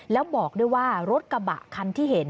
แล้วบอกด้วยว่ารถกระบะคันที่เห็น